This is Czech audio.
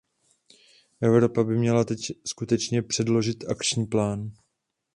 Evropa by měla teď skutečně předložit akční plán.